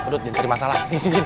dud jangan jadi masalah